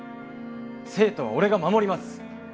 生徒は俺が守ります！